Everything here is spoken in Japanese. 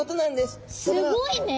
すごいね。